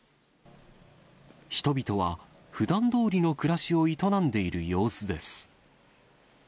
人々はふだんどおりの暮らしを営んでいる様子です。